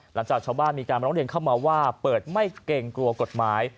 หลังจากชาวบ้านมีการร้องเรียนเข้ามาว่าเปิดไม่เกรงกลัวกฎหมาย